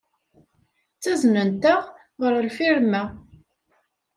Ttaznent-aɣ ɣer lfirma.